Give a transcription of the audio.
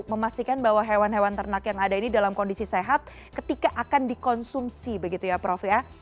memastikan bahwa hewan hewan ternak yang ada ini dalam kondisi sehat ketika akan dikonsumsi begitu ya prof ya